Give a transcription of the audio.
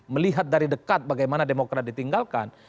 melihat dari dekat bagaimana demokrat ditinggalkan